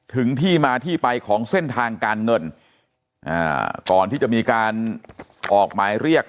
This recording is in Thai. ถึงที่มาที่ไปของเส้นทางการเงินก่อนที่จะมีการออกหมายเรียก